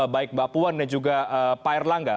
baik bapuan dan juga pak erlangga